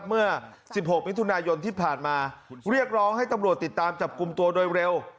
เมื่อ๑๖มิถุนายนที่ผ่านมาเรียกร้องให้ตำรวจติดตามจับกลุ่มตัวโดยเร็ว